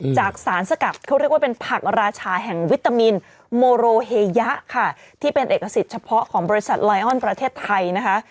จากสารสกัดเขาเรียกว่าเป็นผักราชาแห่งวิตามินโมโรเฮยะค่ะที่เป็นเอกสิทธิ์เฉพาะของบริษัทไลออนประเทศไทยนะคะ